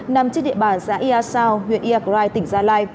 nằm trên địa bàn giãi yasao huyện yagrai tỉnh gia lai